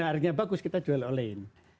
harganya bagus kita jual olaiin